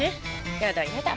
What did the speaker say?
やだやだ。